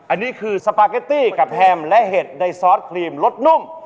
อันนี้คือสปาเกตตี้กับแฮมและเห็ดในซอสครีมรสนุ่ม